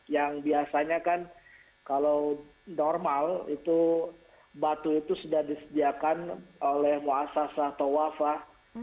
yang biasanya kan kalau normal batu itu sudah disediakan oleh muasasa tawafah